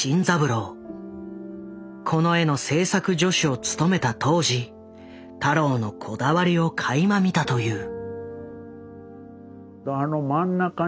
この絵の制作助手を務めた当時太郎のこだわりをかいま見たという。